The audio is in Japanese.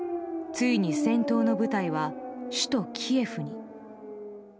ついに戦闘の舞台は首都キエフに。